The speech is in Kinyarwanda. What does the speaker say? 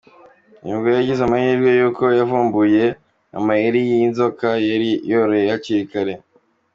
Uyu mugore yagize amahirwe kuko yavumbuye amayeri y’ iyi nzoka yari yoroye hakiri kare.